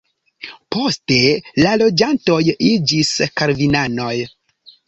Poste la loĝantoj iĝis kalvinanoj.